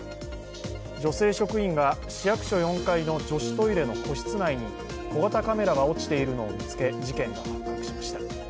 女性職員が市役所４階の女子トイレの個室内に小型カメラが落ちているのを見つけ事件が発覚しました。